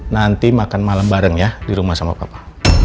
nanti makan malam bareng ya di rumah sama papa